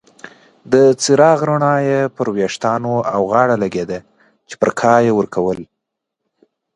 د څراغ رڼا یې پر ویښتانو او غاړه لګیده چې پرکا یې ورکول.